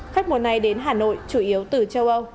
khách mùa này đến hà nội chủ yếu từ châu âu